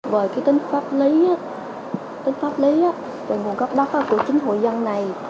về cái tính pháp lý tính pháp lý về nguồn gốc đất của chính hội dân này